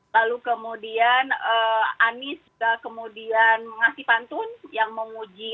lalu kemudian anies juga kemudian mengasih pantun yang menguji